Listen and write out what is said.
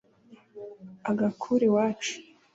ugakure iwacu